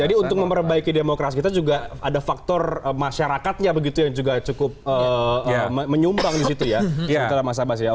jadi untuk memperbaiki demokrasi kita juga ada faktor masyarakatnya yang cukup menyumbang di situ ya